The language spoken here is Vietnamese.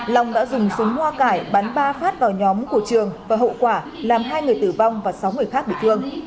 long đã dùng súng hoa cải bắn ba phát vào nhóm của trường và hậu quả làm hai người tử vong và sáu người khác bị thương